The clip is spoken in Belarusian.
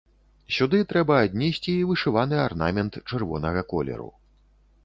Сюды трэба аднесці і вышываны арнамент чырвонага колеру.